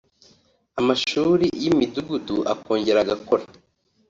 amashuri y’imudugudu akongera agakora